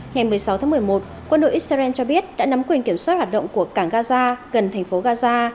ngày một mươi sáu tháng một mươi một quân đội israel cho biết đã nắm quyền kiểm soát hoạt động của cảng gaza gần thành phố gaza